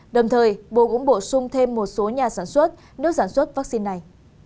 đồng thời bộ cũng bổ sung thêm một số nhà sản xuất nước sản xuất vaccine này